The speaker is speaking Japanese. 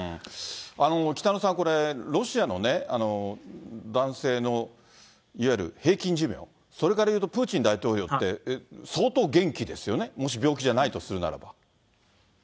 北野さん、これ、ロシアの男性のいわゆる平均寿命、それからいうとプーチン大統領って相当元気ですよね、もし病気じゃないとするならば。